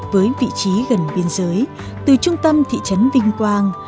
với vị trí gần biên giới từ trung tâm thị trấn vinh quang